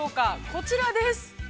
こちらです。